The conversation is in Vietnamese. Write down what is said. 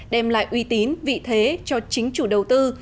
đem lại uy tín vị thế cho chính chủ đầu tư